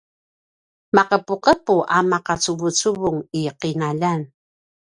maqepuqepu a maqacuvucuvung i qinaljan